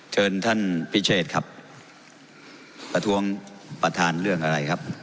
เชิญท่านพิเชษครับประท้วงประธานเรื่องอะไรครับ